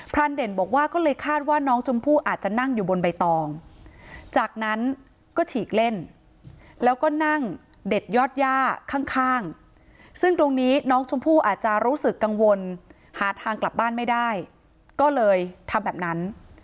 รานเด่นบอกว่าก็เลยคาดว่าน้องชมพู่อาจจะนั่งอยู่บนใบตองจากนั้นก็ฉีกเล่นแล้วก็นั่งเด็ดยอดย่าข้างซึ่งตรงนี้น้องชมพู่อาจจะรู้สึกกังวลหาทางกลับบ้านไม่ได้ก็เลยทำแบบนั้น